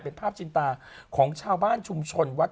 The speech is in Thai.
น้องเก่งนะ